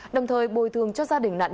đồng thời bồi thương cho gia đình nạn nhân